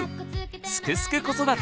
「すくすく子育て」